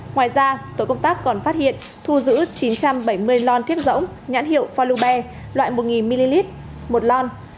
ngoài ra tổ công tác còn phát hiện thu giữ chín trăm bảy mươi lon kiếp rỗng nhãn hiệu folube loại một nghìn ml một lon